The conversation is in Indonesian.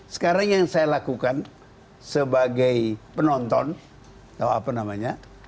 sekarang yang saya lakukan sebagai penonton atau apa namanya